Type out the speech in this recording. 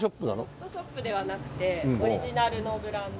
セレクトショップではなくてオリジナルのブランド。